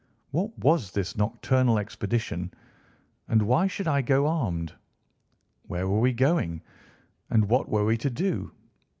What was this nocturnal expedition, and why should I go armed? Where were we going, and what were we to do?